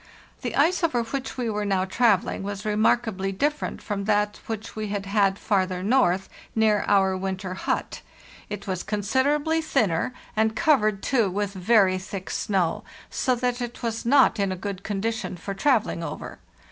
The ice over which we were now travelling was remarkably different from that which we had had farther north, near our winter hut; it was considerably thinner, 506 FARTHEST NORTH and covered, too, with very thick snow, so that it was not in a good condition for travelling over.